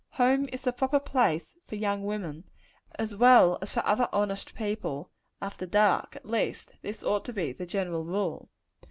Home is the proper place for young women, as well as for other honest people, after dark; at least this ought to be the general rule.